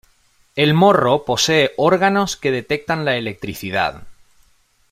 El morro posee órganos que detectan la electricidad.